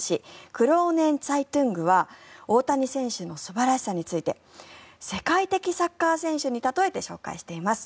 クローネン・ツァイトゥングは大谷選手の素晴らしさについて世界的サッカー選手に例えて紹介しています。